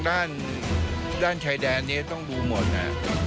ด้านชายแดนนี้ต้องดูหมดนะ